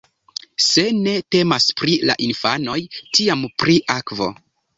Se ne temas pri la infanoj, tiam pri akvo.